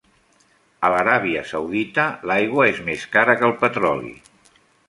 A l'Aràbia Saudita l'aigua és més cara que el petroli.